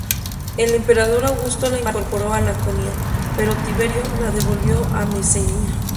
El emperador Augusto la incorporó a Laconia, pero Tiberio la devolvió a Mesenia.